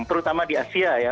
terutama di asia ya